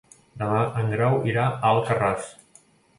Demà en Grau irà a Alcarràs.